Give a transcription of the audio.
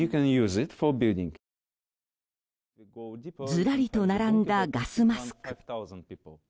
ずらりと並んだ、ガスマスク。